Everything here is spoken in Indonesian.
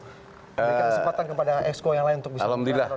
berikan kesempatan kepada exco yang lain untuk bisa